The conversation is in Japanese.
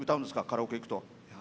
カラオケ行くと。